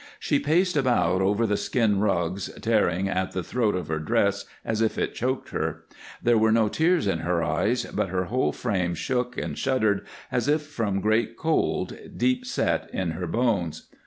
She paced about over the skin rugs, tearing at the throat of her dress as if it choked her. There were no tears in her eyes, but her whole frame shook and shuddered as if from great cold, deep set in her bones.